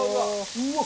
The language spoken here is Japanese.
うわっ！